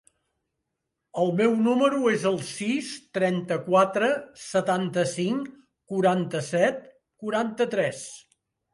El meu número es el sis, trenta-quatre, setanta-cinc, quaranta-set, quaranta-tres.